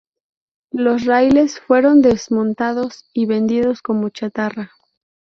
Los raíles fueron desmontados y vendidos como chatarra.